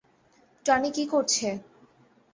Tony কী করছে?